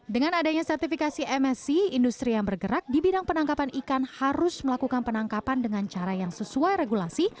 dengan adanya sertifikasi msc industri yang bergerak di bidang penangkapan ikan harus melakukan penangkapan dengan cara yang sesuai regulasi